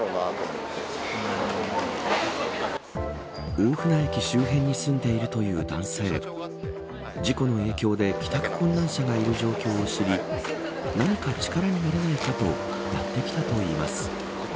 大船駅周辺に住んでいるという男性事故の影響で帰宅困難者がいる状況を知り何か力になれないかとやって来たといいます。